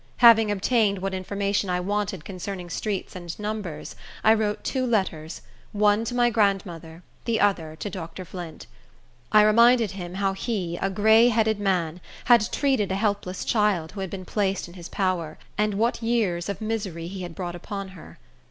Having obtained what information I wanted concerning streets and numbers, I wrote two letters, one to my grandmother, the other to Dr. Flint. I reminded him how he, a gray headed man, had treated a helpless child, who had been placed in his power, and what years of misery he had brought upon her.